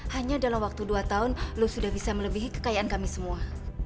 hanya dalam waktu dua tahun lu sudah bisa melebihi kekayaan kami semua